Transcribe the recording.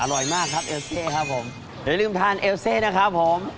อร่อยมากครับเอลเซครับผมอย่าลืมทานเอลเซนะครับผม